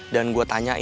dan gue tanya ini